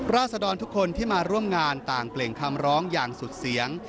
ราศดรทุกคนที่มาร่วมงานต่างเปล่งคำร้องอย่างสุดเสียง